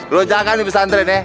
lo jangan kan di pesantren ya